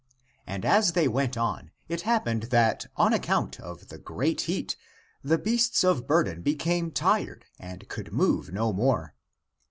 And as they went on it happened that on account of the great heat the beasts of burden became tired and could move no more.